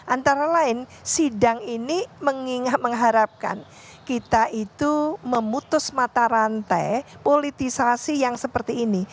antara lain sidang ini mengharapkan kita itu memutus mata rantai politisasi yang seperti ini